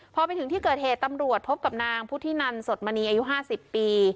พอไปถึงที่เกิดเหตุตำรวจพบกับนางพุทธินันสดมณีอายุ๕๐ปี